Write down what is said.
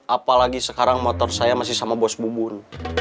apalagi sekarang motor saya masih sama bos bubun